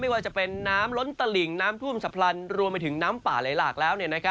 ว่าจะเป็นน้ำล้นตลิ่งน้ำท่วมฉับพลันรวมไปถึงน้ำป่าไหลหลากแล้ว